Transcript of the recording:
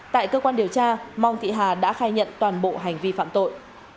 tại cơ quan điều tra mong thị hà đã khai nhận toàn bộ hành vi phạm tội